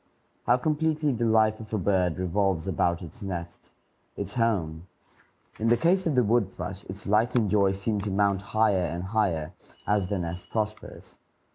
How completely the life of a bird revolves about its nest, its home! In the case of the wood thrush, its life and joy seem to mount higher and higher as the nest prospers.